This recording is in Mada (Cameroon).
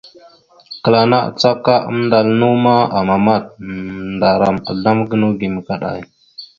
Kəla ana acaka amndal naw ma, amamat. Ndaram azlam gənaw gime kaɗay.